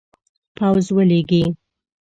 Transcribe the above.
پوځ ولیږي.